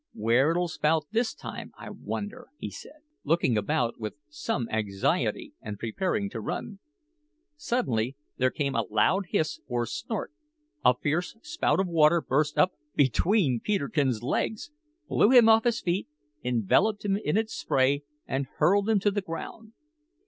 "Where'll it spout this time, I wonder?" he said, looking about with some anxiety and preparing to run. Suddenly there came a loud hiss or snort; a fierce spout of water burst up between Peterkin's legs, blew him off his feet, enveloped him in its spray, and hurled him to the ground.